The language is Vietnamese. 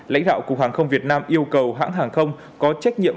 lãnh đạo cục hàng không việt nam yêu cầu hãng hàng không có trách nhiệm